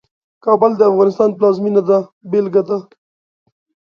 کابل د افغانستان پلازمېنه ده بېلګه ده.